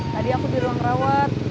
tadi aku di ruang rawat